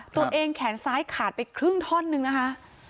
แขนซ้ายขาดไปครึ่งท่อนนึงนะคะ